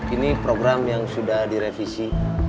ini program yang sudah direvisi